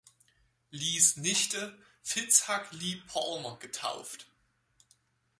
Lees Nichte "Fitzhugh Lee Palmer" getauft.